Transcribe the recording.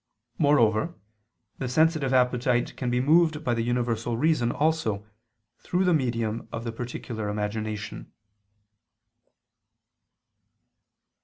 Moreover the sensitive appetite can be moved by the universal reason also, through the medium of the particular imagination.